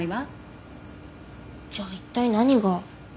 じゃあ一体何が？